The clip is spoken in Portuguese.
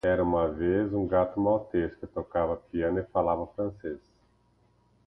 Era uma vez, um gato maltês que tocava piano e falava francês.